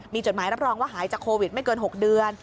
มีจดหมายรับรองว่าหายจากโควิดไม่เกิน๖เดือน